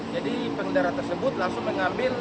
jadi pengendara tersebut langsung mengambil